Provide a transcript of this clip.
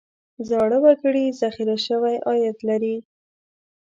زاړه وګړي ذخیره شوی عاید لري.